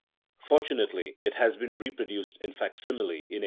Fortunately it had been reproduced in facsimile in 1848.